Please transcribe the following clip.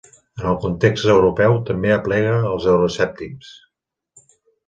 En el context europeu, també aplega els euroescèptics.